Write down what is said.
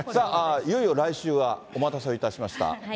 さあ、いよいよ来週は、お待たせをいたしました。